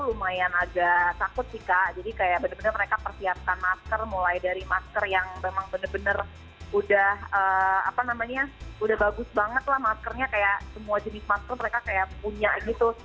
lumayan agak takut sih kak jadi kayak bener bener mereka persiapkan masker mulai dari masker yang memang bener bener udah apa namanya udah bagus banget lah maskernya kayak semua jenis masker mereka kayak punya gitu